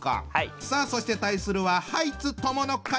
さあそして対するはハイツ友の会。